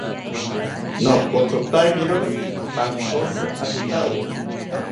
Nopothotakiro pankotzi antawo